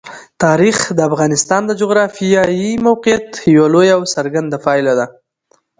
تاریخ د افغانستان د جغرافیایي موقیعت یوه لویه او څرګنده پایله ده.